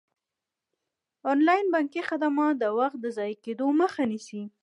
انلاین بانکي خدمات د وخت د ضایع کیدو مخه نیسي.